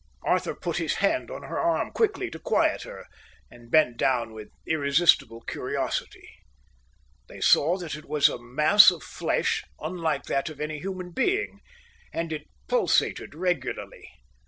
Arthur put his hand on her arm quickly to quieten her and bent down with irresistible curiosity. They saw that it was a mass of flesh unlike that of any human being; and it pulsated regularly.